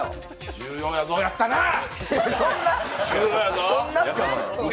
重要やぞ、やったなー！！